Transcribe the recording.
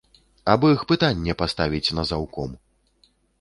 Аб іх пытанне паставіць на заўком.